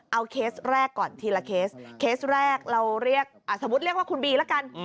เอาเคสแรกก่อนทีละเคสเคสแรกเราเรียกสมมุติเรียกว่าคุณบีละกัน